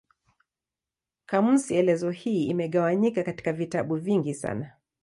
Kamusi elezo hii imegawanyika katika vitabu vingi sana.